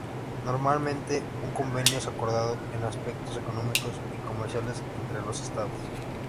Normalmente, un convenio es acordado en aspectos Económicos y Comerciales entre los estados.